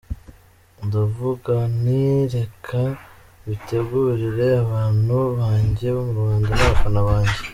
Ndavuga nti reka mbitegurire abantu bange bo mu Rwanda n’abafana banjye".